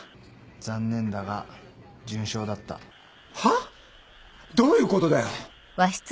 残念だが準賞だった。はっ！？どういうことだよ。